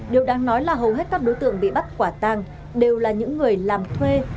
điều đáng nói là hầu hết các đối tượng bị bắt quả tang đều là những người làm thuê